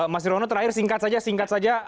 mas nirwono terakhir singkat saja singkat saja